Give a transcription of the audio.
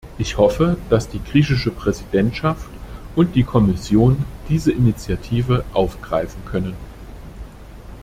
Ich hoffe, dass die griechische Präsidentschaft und die Kommission diese Initiative aufgreifen können.